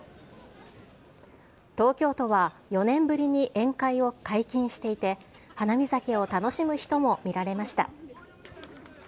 東京都は４年ぶりに宴会を解禁していて、花見酒を楽しむ人も見られました。